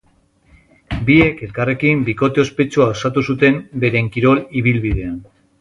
Biek elkarrekin bikote ospetsua osatu zuten beren kirol ibilbidean.